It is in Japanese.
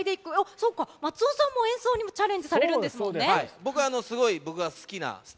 そうか、松尾さんも演奏にチャレンジされるんですもんね。